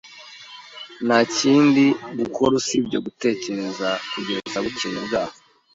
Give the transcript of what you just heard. Nta kindi gukora usibye gutegereza kugeza bukeye bwaho